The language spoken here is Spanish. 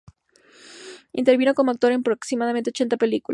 Intervino como actor en aproximadamente ochenta películas.